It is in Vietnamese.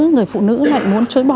người phụ nữ lại muốn chối bỏ